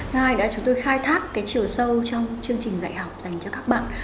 hai là chúng tôi khai thác cái chiều sâu trong chương trình dạy học dành cho các bạn